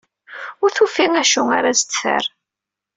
Ur tufi acu ara s-d-terr.